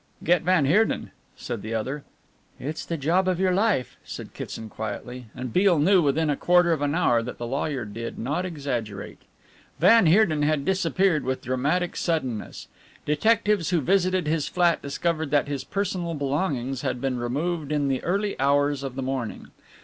"Get van Heerden," said the other. "It is the job of your life," said Kitson quietly, and Beale knew within a quarter of an hour that the lawyer did not exaggerate. Van Heerden had disappeared with dramatic suddenness. Detectives who visited his flat discovered that his personal belongings had been removed in the early hours of the morning.